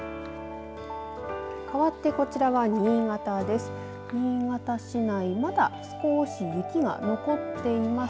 かわって、こちらは新潟です。